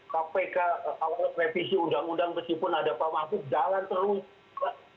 kpk awal revisi undang undang meskipun ada pak mahfud jalan terus